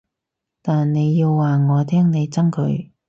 但你要話我聽你憎佢